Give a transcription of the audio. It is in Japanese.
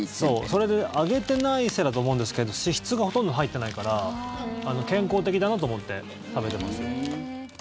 それで揚げてないせいだと思うんですけど脂質がほとんど入っていないから健康的だなと思って食べてます。